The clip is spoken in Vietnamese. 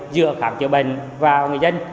giữa khám chữa bệnh và người dân